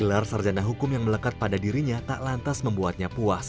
gelar sarjana hukum yang melekat pada dirinya tak lantas membuatnya puas